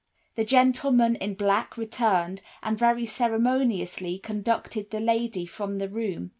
"The gentleman in black returned, and very ceremoniously conducted the lady from the room.